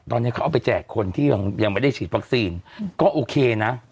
ตอนนี้เขาเอาไปแจกคนที่ยังไม่ได้ฉีดวัคซีนก็โอเคนะ